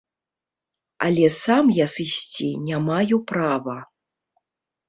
Але сам я сысці не маю права.